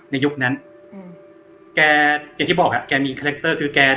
ยุคนั้นอืมแกอย่างที่บอกฮะแกมีคาแรคเตอร์คือแก